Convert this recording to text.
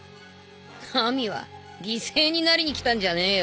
ナミは犠牲になりに来たんじゃねえよ